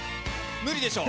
無理でしょう。